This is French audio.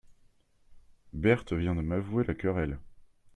Berthe vient de m'avouer la querelle.